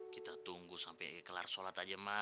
kita tunggu sampai kelar sholat aja mah